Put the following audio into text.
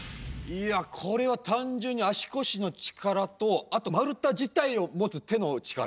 いやこれは単純に足腰の力とあと丸太自体を持つ手の力